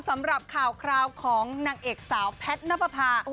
สำหรับข่าวของนางเอกสาวแพทย์น้ำปะพา